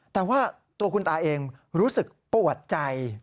แต่ว่าตัวคุณตาเองรู้สึกปวดใจ